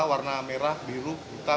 warna merah biru